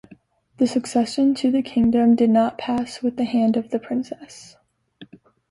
The succession to the kingdom did not pass with the hand of the princess.